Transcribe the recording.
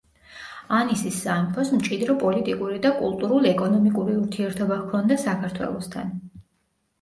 ანისის სამეფოს მჭიდრო პოლიტიკური და კულტურულ-ეკონომიკური ურთიერთობა ჰქონდა საქართველოსთან.